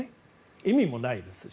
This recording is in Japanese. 意味もないですし。